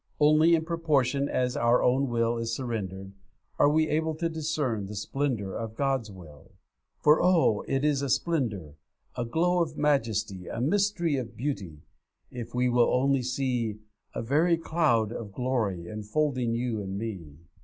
Only in proportion as our own will is surrendered, are we able to discern the splendour of God's will. For oh! it is a splendour, A glow of majesty, A mystery of beauty If we will only see; A very cloud of glory Enfolding you and me.